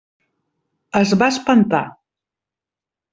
Es va espantar.